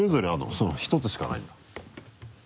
その１つしかないんだ？